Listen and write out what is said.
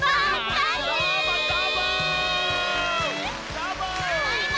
どーも！